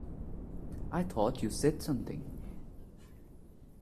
I thought you said something.